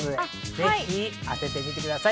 ぜひ当ててください。